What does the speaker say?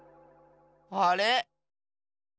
あれ？